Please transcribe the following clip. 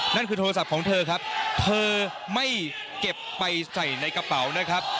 นั่นคือโทรศัพท์ของเธอครับเธอไม่เก็บไปใส่ในกระเป๋านะครับ